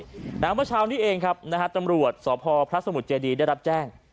เมื่อเช้านี้เองครับนะฮะตำรวจสพพระสมุทรเจดีได้รับแจ้ง